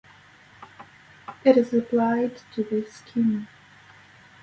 It is applied to the skin.